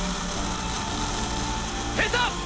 閉鎖。